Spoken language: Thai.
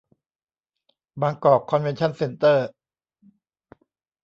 บางกอกคอนเวนชั่นเซ็นเตอร์